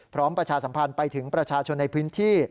ประชาสัมพันธ์ไปถึงประชาชนในพื้นที่